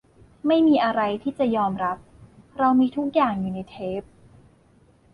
ไม่มีอะไรที่จะยอมรับ เรามีทุกอย่างอยู่ในเทป